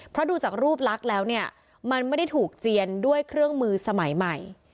เพราะดูจากรูปลักษณ์แล้วเนี่ยมันไม่ได้ถูกเจียนด้วยเครื่องมือสมัยใหม่